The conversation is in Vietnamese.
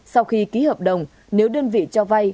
sau khi ký hợp đồng nếu đơn vị cho vay